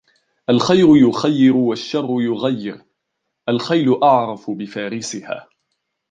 الخَيْرُ يُخَيِّر والشر يغَيّر الخيل أعرف بفارسها